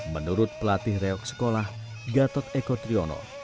menurut pelatih reok sekolah gatot eko triyono